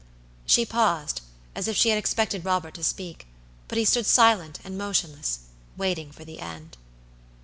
She paused, as if she had expected Robert to speak; but he stood silent and motionless, waiting for the end.